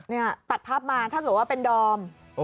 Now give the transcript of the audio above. นี่ตัดภาพมาถ้าเกิดว่าเป็นดอม